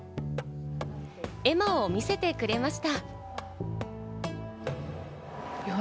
絵馬を見せてくれました。